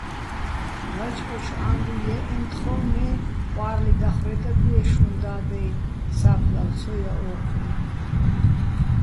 ლაჭყუშ ა́მბუჲ ჲე́ჸეჼ თხო́́ჼ, მე ყვა́რლი დახვრე́ტადვიე შუჼ და́დ-აჲნო̆, სა́ფლავ ცო ჲა ო́ჴუიჼ.